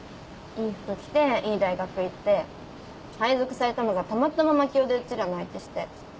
いい服着ていい大学行って配属されたのがたまたま槙尾でうちらの相手して。